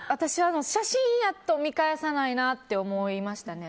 写真やと見返さないなと思いましたね。